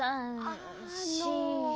あの。